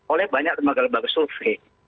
oleh banyak teman teman survei